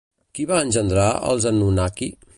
Qui va engendrar els Anunnaki?